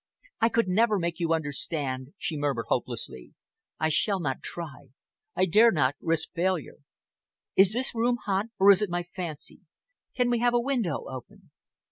"I could never make you understand," she murmured hopelessly. "I shall not try. I dare not risk failure. Is this room hot, or is it my fancy? Could we have a window open?"